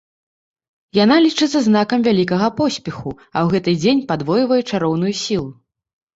Яна лічыцца знакам вялікага поспеху, а ў гэты дзень падвойвае чароўную сілу.